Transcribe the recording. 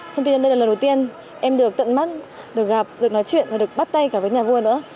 xong tuy nhiên đây là lần đầu tiên em được tận mắt được gặp được nói chuyện và được bắt tay cả với nhà vua nữa